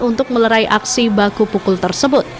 untuk melerai aksi baku pukul tersebut